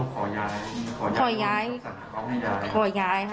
เพื่อนลองขอย้ายขอย้าย